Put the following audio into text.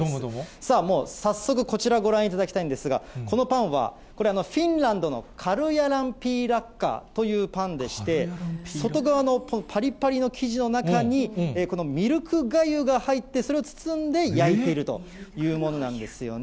さあ、もう早速、こちらご覧いただきたいんですが、このパンは、これはフィンランドのカルヤラン・ピーラッカというパンでして、外側のぱりぱりの生地の中に、このミルクがゆが入ってそれを包んで焼いているというものなんですよね。